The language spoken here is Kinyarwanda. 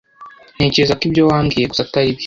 Ntekereza ko ibyo wambwiye gusa atari byo.